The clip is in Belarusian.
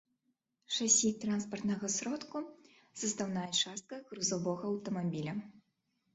Шасі транспартнага сродку — састаўная частка грузавога аўтамабіля